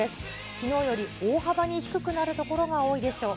きのうより大幅に低くなる所が多いでしょう。